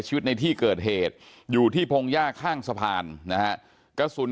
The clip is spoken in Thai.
ชีวิตในที่เกิดเหตุอยู่ที่พงหญ้าข้างสะพานนะฮะกระสุน